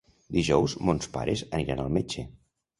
Dijous mons pares aniran al metge.